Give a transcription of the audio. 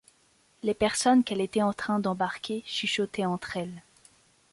Les personnes qu’elle était en train d’embarquer, chuchotaient entre elles.